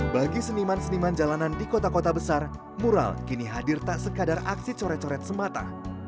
bagi seniman seniman jalanan di kota kota besar mural kini hadir tak sekadar aksi coret coret semata